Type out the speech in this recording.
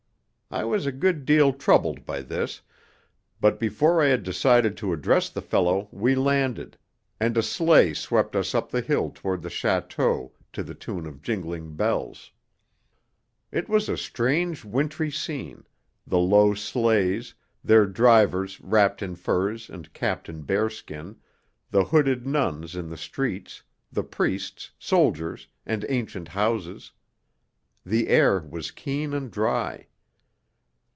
I was a good deal troubled by this, but before I had decided to address the fellow we landed, and a sleigh swept us up the hill toward the château to the tune of jingling bells. It was a strange wintry scene the low sleighs, their drivers wrapped in furs and capped in bearskin, the hooded nuns in the streets, the priests, soldiers, and ancient houses. The air was keen and dry.